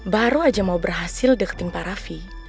baru aja mau berhasil deketin pak raffi